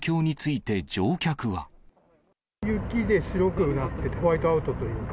雪で白くなってて、ホワイトアウトというか。